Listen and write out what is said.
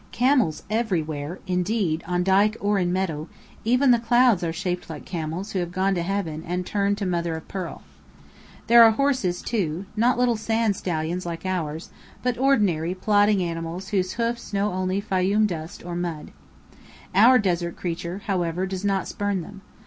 Camels everywhere, indeed, on dyke or in meadow; even the clouds are shaped like camels who have gone to heaven and turned to mother o' pearl. There are horses, too; not little sand stallions like ours, but ordinary, plodding animals whose hoofs know only Fayoum dust or mud. Our desert creature, however, does not spurn them.